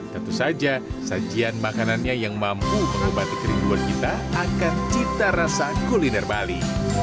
tentu saja sajian makanannya yang mampu mengobati kerinduan kita akan cita rasa kuliner bali